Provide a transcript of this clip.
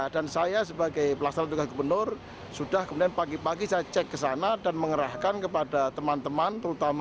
dan saya sebagai pelaksana tugas gubernur sudah kemudian pagi pagi saya cek ke sana dan mengerahkan kepada teman teman terutama